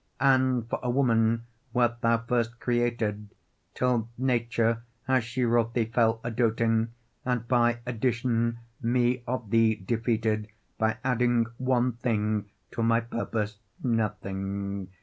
And for a woman wert thou first created; Till Nature, as she wrought thee, fell a doting, And by addition me of thee defeated, By adding one thing to my purpose nothing.